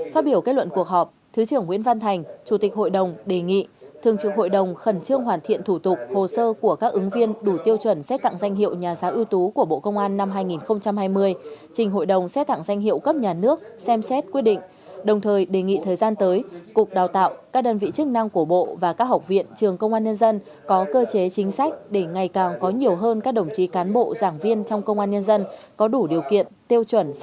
phát biểu kết luận cuộc họp thứ trưởng nguyễn văn thành chủ tịch hội đồng đề nghị thương trưởng hội đồng khẩn trương hoàn thiện thủ tục hồ sơ của các ứng viên đủ tiêu chuẩn xét tặng danh hiệu nhà giáo ưu tú của bộ công an năm hai nghìn hai mươi trình hội đồng xét tặng danh hiệu cấp nhà nước xem xét quyết định đồng thời đề nghị thời gian tới cục đào tạo các đơn vị chức năng của bộ và các học viện trường công an nhân dân có cơ chế chính sách để ngày càng có nhiều hơn các đồng chí cán bộ giảng viên trong công an nhân dân có đủ điều kiện tiêu chuẩn x